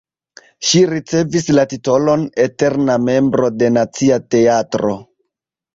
Ŝi ricevis la titolon eterna membro de Nacia Teatro.